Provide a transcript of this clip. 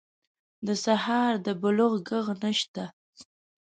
د سهار د بلوغ ږغ نشته